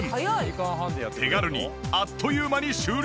手軽にあっという間に終了する。